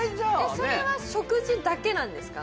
それは食事だけなんですか？